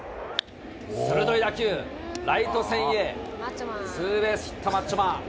鋭い打球、ライト線へツーベースヒット、マッチョマン。